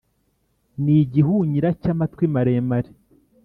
n igihunyira cy amatwi maremare